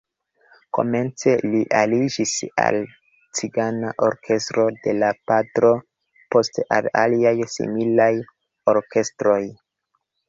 Komence li aliĝis al cigana orkestro de la patro, poste al aliaj similaj orkestroj.